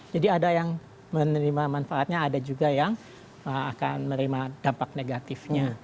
jadi ada yang menerima manfaatnya ada juga yang akan menerima dampak negatifnya